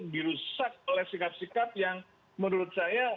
dirusak oleh sikap sikap yang menurut saya